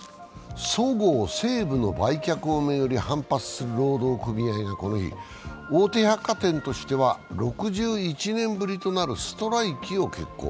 そごう・西武の売却を巡り反発する労働組合がこの日、大手百貨店としては６１年ぶりとなるストライキを決行。